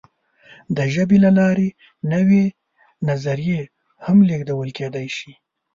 د ژبې له لارې نوې نظریې هم لېږدول کېدی شي.